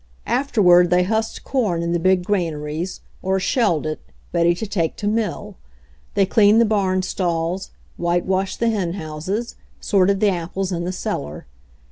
Afterward they husked corn in the big gran aries, or shelled it, ready to take to mill; they cleaned the barn stalls, whitewashed the hen houses, sorted the apples in the cellar.